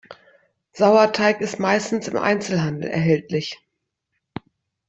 Sauerteig ist meistens im Einzelhandel erhältlich.